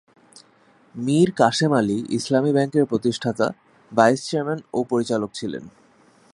মীর কাসেম আলী ইসলামী ব্যাংকের প্রতিষ্ঠাতা ভাইস চেয়ারম্যান ও পরিচালক ছিলেন।